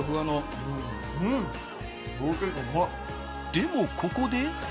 でもここで。